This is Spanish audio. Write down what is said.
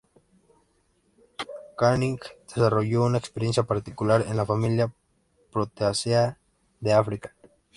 Knight desarrolló una experiencia particular en la familia Proteaceae de África.